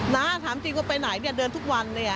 นะถามจริงว่าไปไหนเดินทุกวัน